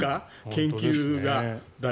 研究が。